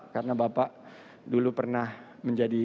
karena bapak dulu pernah menjadi